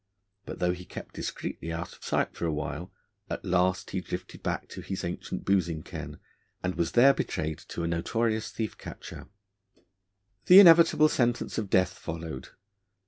But though he kept discreetly out of sight for a while, at last he drifted back to his ancient boozing ken, and was there betrayed to a notorious thief catcher. The inevitable sentence of death followed.